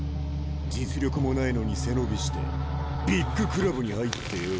実力もないのに背伸びしてビッグクラブに入ってよ。